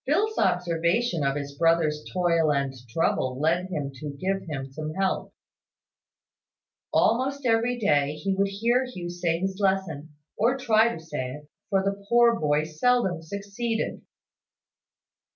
Phil's observation of his brother's toil and trouble led him to give him some help. Almost every day he would hear Hugh say his lesson or try to say it; for the poor boy seldom succeeded.